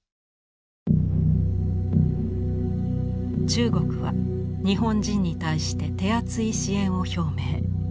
中国は日本人に対して手厚い支援を表明。